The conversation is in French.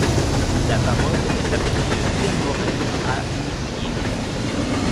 La parole est à Monsieur Pierre Morel-A-L’Huissier.